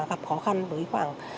gặp khó khăn với khoảng